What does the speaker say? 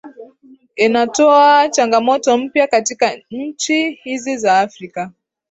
inatoa changamoto mpya katika nchi hizi za afrika